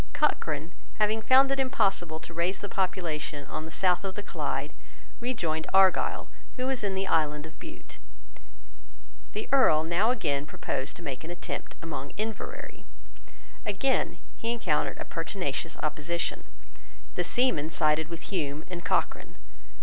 Cochrane, having found it impossible to raise the population on the south of the Clyde, rejoined Argyle, who was in the island of Bute. The Earl now again proposed to make an attempt upon Inverary. Again he encountered a pertinacious opposition. The seamen sided with Hume and Cochrane.